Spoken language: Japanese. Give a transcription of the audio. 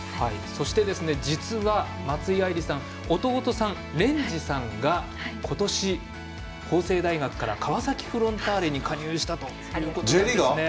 そして実は松井愛莉さんの弟さん、蓮之さんが今年、法政大学から川崎フロンターレに加入したということなんですね。